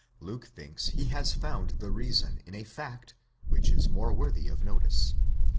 Luke thinks he has found the reason ina fact, which is more worthy of notice.